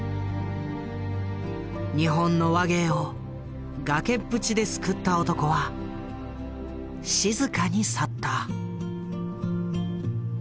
日本の話芸を崖っぷちで救った男は静かに去った。